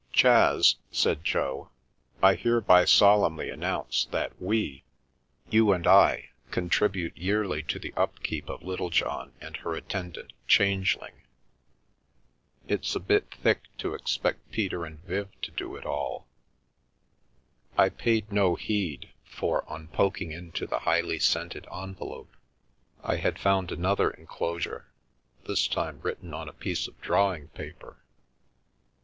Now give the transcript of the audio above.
" Chas," said Jo, " I hereby solemnly announce that we — you and I— contribute yearly to the upkeep of Little john and her attendant, Changeling. It's a bit thick to expect Peter and Viv to do it all." I paid no heed, for on poking into the highly scented envelope I had found another enclosure, this time writ ten on a piece of drawing paper.